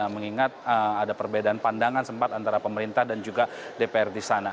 mengingat ada perbedaan pandangan sempat antara pemerintah dan juga dpr di sana